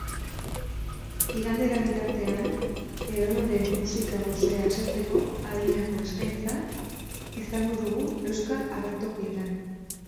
Igandera bitartean, edonoren musika gosea asetzeko adinako eskaintza izango dugu euskal agertokietan.